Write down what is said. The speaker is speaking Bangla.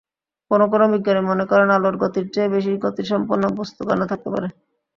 কোনো কোনো বিজ্ঞানী মনে করেন, আলোর গতির চেয়ে বেশি গতিসম্পন্ন বস্তুকণা থাকতে পারে।